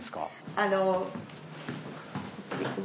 あの。